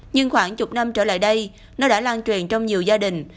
nhưng khoảng chục năm trở lại đây nó đã lan truyền trong nhiều gia đình